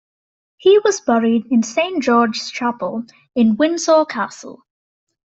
He was buried in Saint George's Chapel at Windsor Castle.